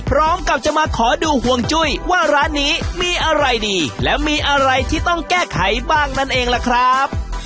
พร้อมกับจะมาขอดูห่วงจุ้ยว่าร้านนี้มีอะไรดีและมีอะไรที่ต้องแก้ไขบ้างนั่นเองล่ะครับ